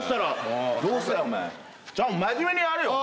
真面目にやれよ。